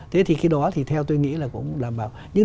thế thì khi đó thì theo tôi nghĩ là cũng